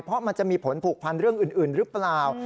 เพราะมันจะมีผลผูกพันเรื่องอื่นหรือเปล่า